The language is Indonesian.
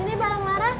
ini barang maras